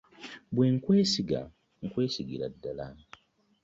Bwe nkwesiga nkwesigira ddala.